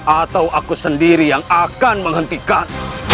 atau aku sendiri yang akan menghentikan